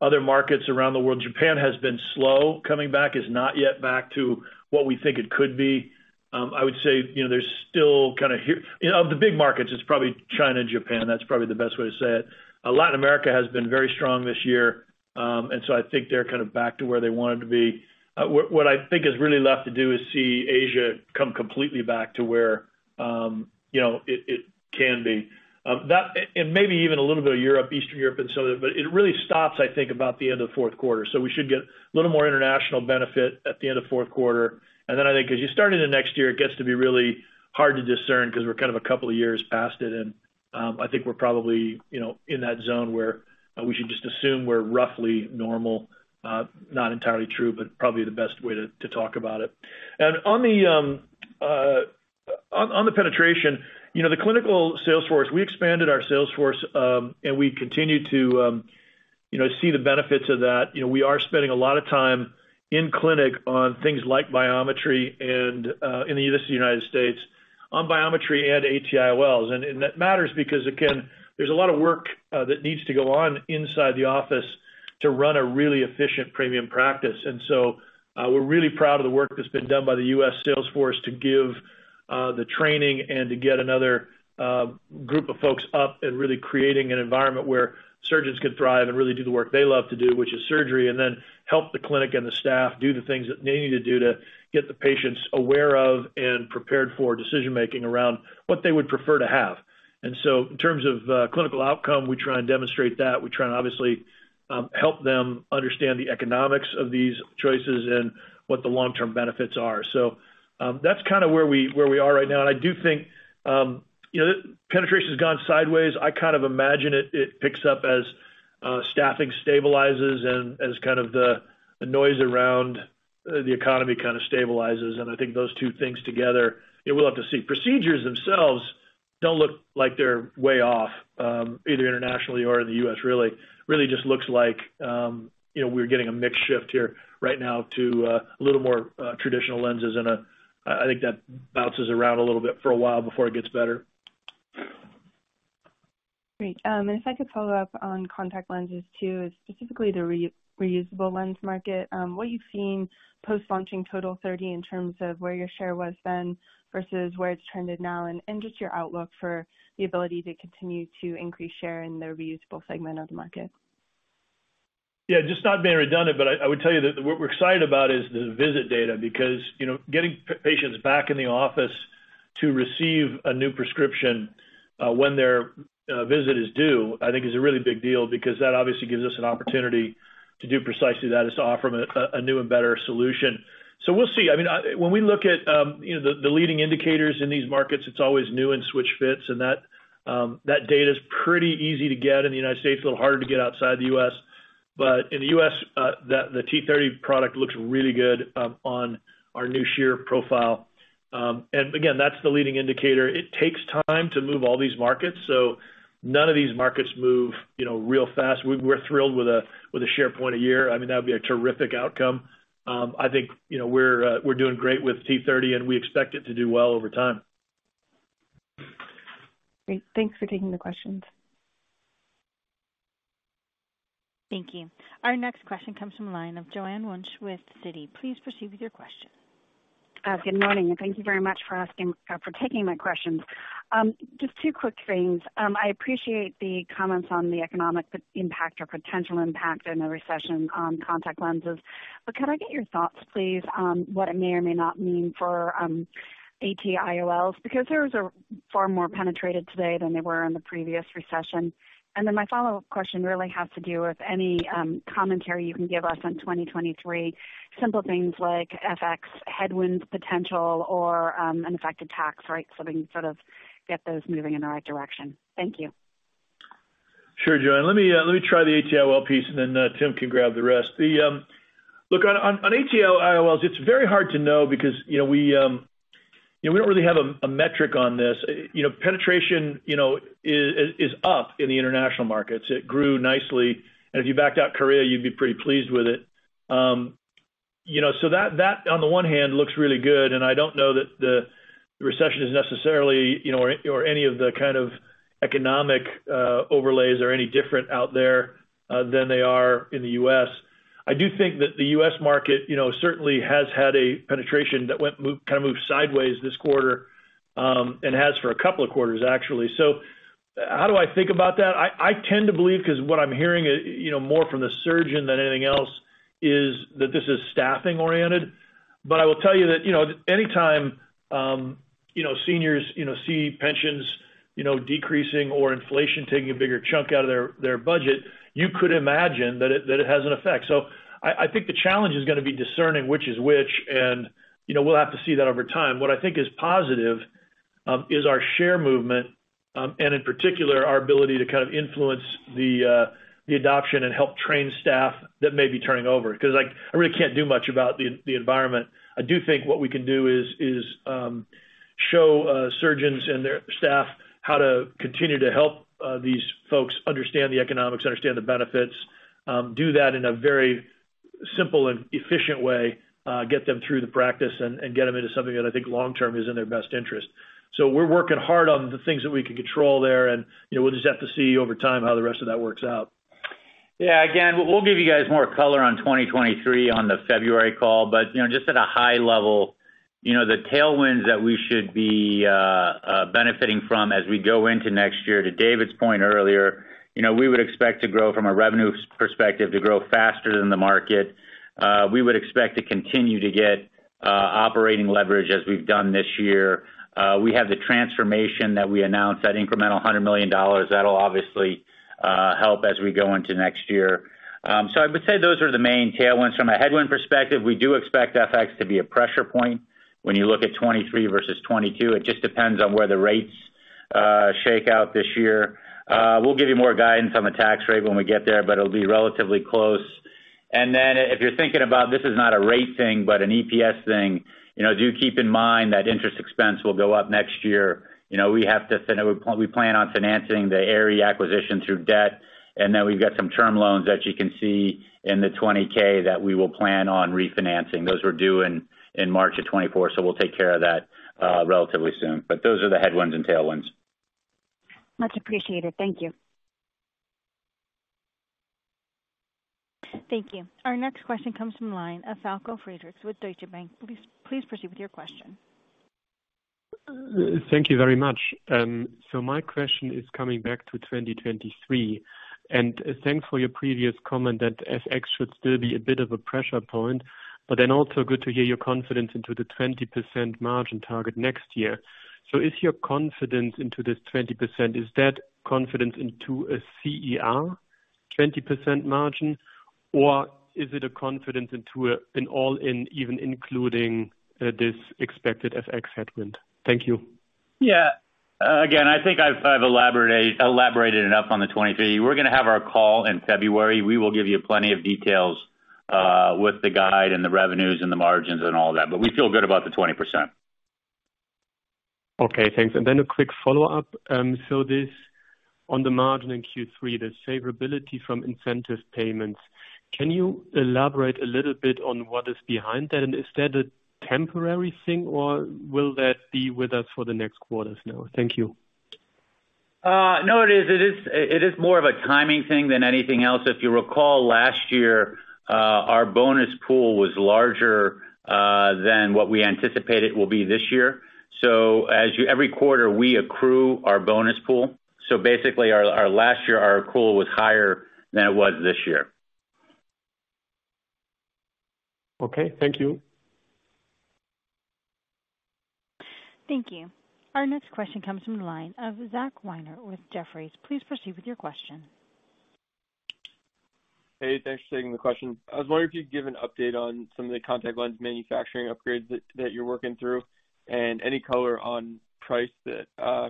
[SPEAKER 3] other markets around the world. Japan has been slow coming back. It's not yet back to what we think it could be. I would say, you know, there's still kind of here. You know, of the big markets, it's probably China and Japan. That's probably the best way to say it. Latin America has been very strong this year. I think they're kind of back to where they wanted to be. What I think is really left to do is see Asia come completely back to where, you know, it can be. Maybe even a little bit of Europe, Eastern Europe and Southern, but it really stops, I think, about the end of fourth quarter. We should get a little more international benefit at the end of fourth quarter. I think as you start into next year, it gets to be really hard to discern 'cause we're kind of a couple of years past it. I think we're probably, you know, in that zone where we should just assume we're roughly normal. Not entirely true, but probably the best way to talk about it. On the penetration, you know, the clinical sales force, we expanded our sales force, and we continue to, you know, see the benefits of that. You know, we are spending a lot of time in clinic on things like biometry and, in the Eastern United States, on biometry and ATIOLs. That matters because, again, there's a lot of work that needs to go on inside the office to run a really efficient premium practice. We're really proud of the work that's been done by the U.S. sales force to give the training and to get another group of folks up and really creating an environment where surgeons can thrive and really do the work they love to do, which is surgery, and then help the clinic and the staff do the things that they need to do to get the patients aware of and prepared for decision-making around what they would prefer to have. In terms of clinical outcome, we try and demonstrate that. We try and obviously help them understand the economics of these choices and what the long-term benefits are. That's kind of where we are right now, and I do think you know, penetration's gone sideways. I kind of imagine it picks up as staffing stabilizes and as kind of the noise around the economy kind of stabilizes. I think those two things together, yeah, we'll have to see. Procedures themselves don't look like they're way off, either internationally or in the U.S., really. Really just looks like, you know, we're getting a mix shift here right now to a little more traditional lenses, and I think that bounces around a little bit for a while before it gets better.
[SPEAKER 11] Great. If I could follow up on contact lenses too, specifically the reusable lens market, what you've seen post-launching TOTAL30 in terms of where your share was then versus where it's trended now? Just your outlook for the ability to continue to increase share in the reusable segment of the market.
[SPEAKER 3] Yeah, just not being redundant, but I would tell you that what we're excited about is the visit data because, you know, getting patients back in the office to receive a new prescription, when their visit is due, I think is a really big deal because that obviously gives us an opportunity to do precisely that, is to offer them a new and better solution. We'll see. I mean, when we look at, you know, the leading indicators in these markets, it's always new and switch fits, and that data's pretty easy to get in the United States. A little harder to get outside the U.S. In the U.S., the T30 product looks really good on our new share profile. And again, that's the leading indicator. It takes time to move all these markets, so none of these markets move, you know, real fast. We're thrilled with a share point a year. I mean, that would be a terrific outcome. I think, you know, we're doing great with T30, and we expect it to do well over time.
[SPEAKER 11] Great. Thanks for taking the questions.
[SPEAKER 1] Thank you. Our next question comes from the line of Joanne Wuensch with Citi. Please proceed with your question.
[SPEAKER 12] Good morning, and thank you very much for taking my questions. Just two quick things. I appreciate the comments on the economic impact or potential impact in the recession on contact lenses. Could I get your thoughts, please, on what it may or may not mean for ATIOLs? Because theirs are far more penetrated today than they were in the previous recession. Then my follow-up question really has to do with any commentary you can give us on 2023. Simple things like FX headwinds potential or and effect of tax rates, so we can sort of get those moving in the right direction. Thank you.
[SPEAKER 3] Sure, Joanne. Let me try the ATIOL piece, and then Tim can grab the rest. Look, on ATIOLs, it's very hard to know because, you know, we, you know, we don't really have a metric on this. You know, penetration, you know, is up in the international markets. It grew nicely, and if you backed out Korea, you'd be pretty pleased with it. You know, so that on the one hand looks really good, and I don't know that the recession is necessarily, you know, or any of the kind of economic overlays are any different out there than they are in the U.S. I do think that the U.S. market, you know, certainly has had a penetration that moved sideways this quarter, and has for a couple of quarters actually. How do I think about that? I tend to believe, 'cause what I'm hearing, you know, more from the surgeon than anything else, is that this is staffing oriented. I will tell you that, you know, anytime, you know, seniors, you know, see pensions, you know, decreasing or inflation taking a bigger chunk out of their budget, you could imagine that it has an effect. I think the challenge is gonna be discerning which is which, and, you know, we'll have to see that over time. What I think is positive is our share movement, and in particular, our ability to kind of influence the adoption and help train staff that may be turning over 'cause, like, I really can't do much about the environment. I do think what we can do is show surgeons and their staff how to continue to help these folks understand the economics, understand the benefits, do that in a very simple and efficient way, get them through the practice and get them into something that I think long term is in their best interest. We're working hard on the things that we can control there, and you know, we'll just have to see over time how the rest of that works out.
[SPEAKER 4] Yeah. Again, we'll give you guys more color on 2023 on the February call. You know, just at a high level. You know, the tailwinds that we should be benefiting from as we go into next year, to David's point earlier, you know, we would expect to grow from a revenue perspective to grow faster than the market. We would expect to continue to get operating leverage as we've done this year. We have the transformation that we announced, that incremental $100 million. That'll obviously help as we go into next year. So I would say those are the main tailwinds. From a headwind perspective, we do expect FX to be a pressure point when you look at 2023 versus 2022. It just depends on where the rates shake out this year. We'll give you more guidance on the tax rate when we get there, but it'll be relatively close. If you're thinking about this is not a rate thing, but an EPS thing, you know, do keep in mind that interest expense will go up next year. You know, we plan on financing the Aerie acquisition through debt, and then we've got some term loans that you can see in the 20-F that we will plan on refinancing. Those are due in March 2024, so we'll take care of that relatively soon. Those are the headwinds and tailwinds.
[SPEAKER 12] Much appreciated. Thank you.
[SPEAKER 1] Thank you. Our next question comes from line of Falko Friedrichs with Deutsche Bank. Please proceed with your question.
[SPEAKER 13] Thank you very much. My question is coming back to 2023, and thanks for your previous comment that FX should still be a bit of a pressure point, but then also good to hear your confidence in the 20% margin target next year. Is your confidence in this 20%, is that confidence in a CER 20% margin, or is it a confidence in an all-in even including this expected FX headwind? Thank you.
[SPEAKER 4] Yeah. Again, I think I've elaborated enough on the 2023. We're gonna have our call in February. We will give you plenty of details with the guide and the revenues and the margins and all that, but we feel good about the 20%.
[SPEAKER 13] Okay, thanks. A quick follow-up. This on the margin in Q3, the favorability from incentive payments, can you elaborate a little bit on what is behind that? Is that a temporary thing, or will that be with us for the next quarters now? Thank you.
[SPEAKER 4] No, it is more of a timing thing than anything else. If you recall, last year, our bonus pool was larger than what we anticipate it will be this year. Every quarter, we accrue our bonus pool. Basically, our last year, our pool was higher than it was this year.
[SPEAKER 13] Okay, thank you.
[SPEAKER 1] Thank you. Our next question comes from the line of Zach Weiner with Jefferies. Please proceed with your question.
[SPEAKER 14] Hey, thanks for taking the question. I was wondering if you'd give an update on some of the contact lens manufacturing upgrades that you're working through, and any color on price that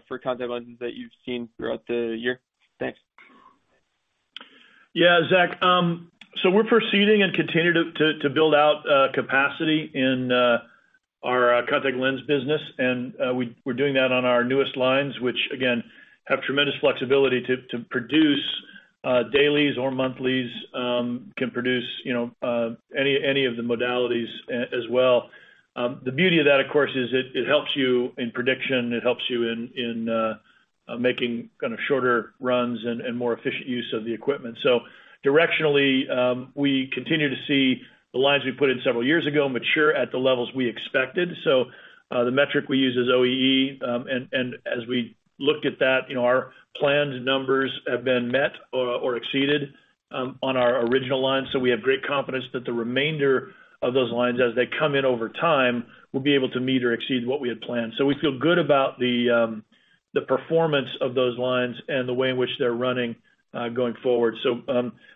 [SPEAKER 14] for contact lenses that you've seen throughout the year. Thanks.
[SPEAKER 3] Yeah, Zach. We're proceeding and continue to build out capacity in our contact lens business. We're doing that on our newest lines, which again, have tremendous flexibility to produce dailies or monthlies, can produce, you know, any of the modalities as well. The beauty of that, of course, is that it helps you in predicting. It helps you in making kinda shorter runs and more efficient use of the equipment. Directionally, we continue to see the lines we put in several years ago mature at the levels we expected. The metric we use is OEE. And as we look at that, you know, our planned numbers have been met or exceeded on our original lines. We have great confidence that the remainder of those lines as they come in over time, will be able to meet or exceed what we had planned. We feel good about the performance of those lines and the way in which they're running, going forward.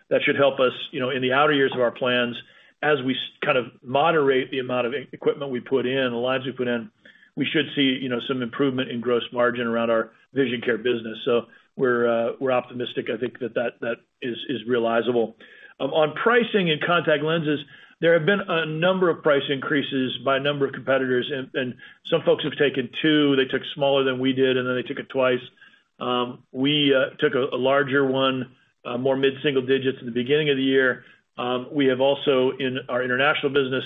[SPEAKER 3] That should help us, you know, in the outer years of our plans as we kind of moderate the amount of equipment we put in, the lines we put in. We should see, you know, some improvement in gross margin around our vision care business. We're optimistic, I think that is realizable. On pricing and contact lenses, there have been a number of price increases by a number of competitors. Some folks have taken two. They took smaller than we did, and then they took it twice. We took a larger one, more mid-single digits in the beginning of the year. We have also, in our international business,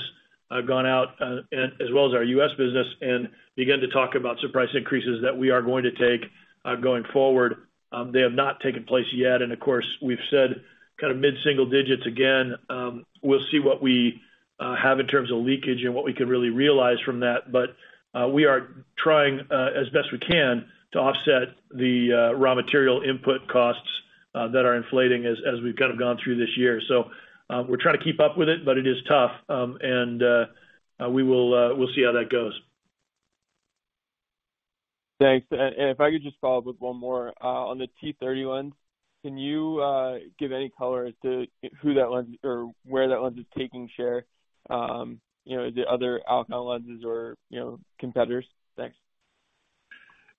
[SPEAKER 3] gone out, as well as our U.S. business, and began to talk about some price increases that we are going to take, going forward. They have not taken place yet. Of course, we've said kind of mid-single digits again. We'll see what we have in terms of leakage and what we can really realize from that. We are trying, as best we can to offset the raw material input costs that are inflating as we've kind of gone through this year. We're trying to keep up with it, but it is tough. We'll see how that goes.
[SPEAKER 14] Thanks. If I could just follow up with one more on the T30 lens. Can you give any color as to who that lens or where that lens is taking share, you know, the other Alcon lenses or, you know, competitors? Thanks.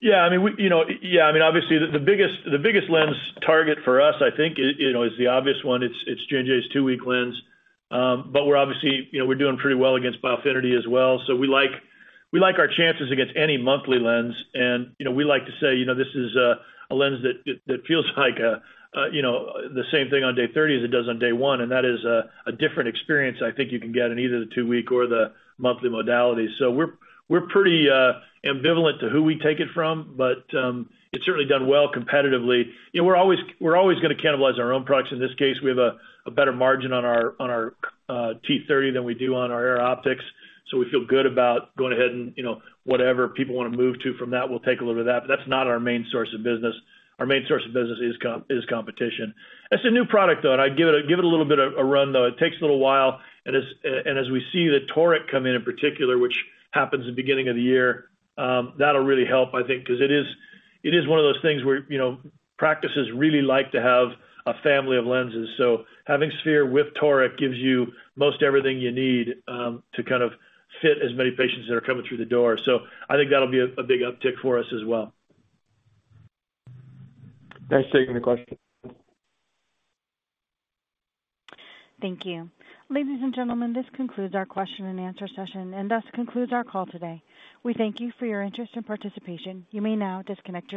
[SPEAKER 3] Yeah, I mean, obviously the biggest lens target for us, I think is the obvious one. It's J&J's two-week lens. But we're obviously doing pretty well against Biofinity as well. So we like our chances against any monthly lens. We like to say this is a lens that feels like the same thing on day 30 as it does on day one, and that is a different experience I think you can get in either the two-week or the monthly modality. So we're pretty ambivalent to who we take it from, but it's certainly done well competitively. We're always gonna cannibalize our own products. In this case, we have a better margin on our T30 than we do on our AIR OPTIX. So we feel good about going ahead and, you know, whatever people wanna move to from that, we'll take a little of that, but that's not our main source of business. Our main source of business is competition. It's a new product, though, and I'd give it a little bit of a run, though. It takes a little while. As we see the Toric come in particular, which happens at the beginning of the year, that'll really help I think, 'cause it is one of those things where, you know, practices really like to have a family of lenses. Having sphere with Toric gives you most everything you need to kind of fit as many patients that are coming through the door. I think that'll be a big uptick for us as well.
[SPEAKER 14] Thanks for taking the question.
[SPEAKER 1] Thank you. Ladies and gentlemen, this concludes our question and answer session, and thus concludes our call today. We thank you for your interest and participation. You may now disconnect your lines.